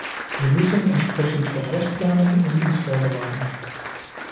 Wir müssen entsprechend vorausplanen und uns vorbereiten.